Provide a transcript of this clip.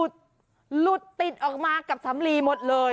หลุดติดออกมากับสำลีหมดเลย